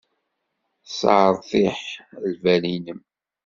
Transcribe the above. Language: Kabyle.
Sseṛtiḥ lbal-nnem.